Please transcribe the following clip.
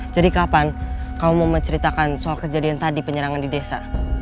jadi kapan kamu mau menceritakan soal kejadian tadi penyerangan di desa